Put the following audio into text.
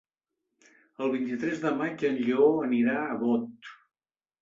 El vint-i-tres de maig en Lleó anirà a Bot.